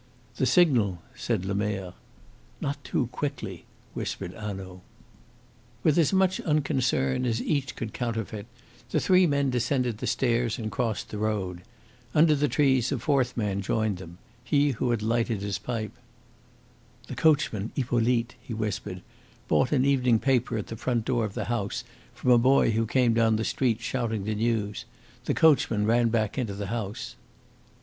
"The signal!" said Lemerre. "Not too quickly," whispered Hanaud. With as much unconcern as each could counterfeit, the three men descended the stairs and crossed the road. Under the trees a fourth man joined them he who had lighted his pipe. "The coachman, Hippolyte," he whispered, "bought an evening paper at the front door of the house from a boy who came down the street shouting the news. The coachman ran back into the house."